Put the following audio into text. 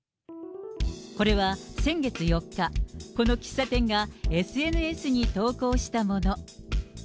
これは先月４日、この喫茶店がＳＮＳに投稿したもの。